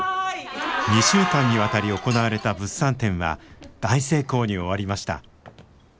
２週間にわたり行われた物産展は大成功に終わりました。